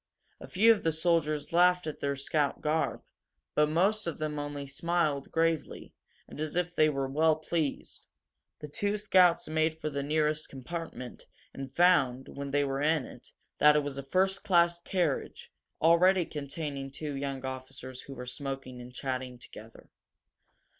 A few of the soldiers laughed at their scout garb, but most of them only smiled gravely, and as if they were well pleased. The two scouts made for the nearest compartment, and found, when they were in it, that it was a first class carriage, already containing two young officers who were smoking and chatting together.